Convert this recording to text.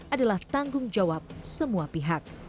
adalah tanggung jawab semua pihak